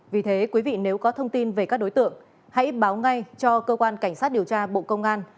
vì thế quý vị nếu có thông tin về các đối tượng hãy báo ngay cho cơ quan cảnh sát điều tra bộ công an